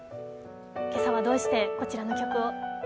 今朝は、どうしてこちらの曲を？